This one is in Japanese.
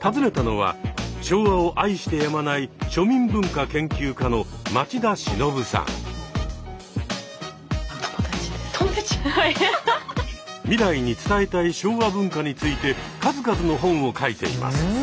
訪ねたのは昭和を愛してやまない未来に伝えたい昭和文化について数々の本を書いています。